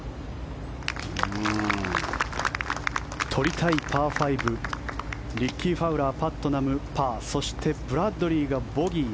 取りたいパー５リッキー・ファウラーパットナム、パーそして、ブラッドリーがボギー。